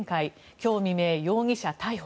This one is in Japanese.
今日未明、容疑者逮捕。